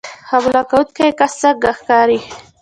حمله کوونکی کس څنګه ښکاري